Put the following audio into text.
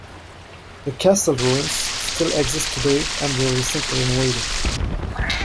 The castle ruins still exist today and were recently renovated.